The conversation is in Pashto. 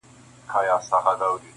نجلۍ نوم کله کله يادېږي تل,